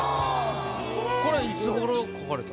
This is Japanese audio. これいつごろ描かれたの？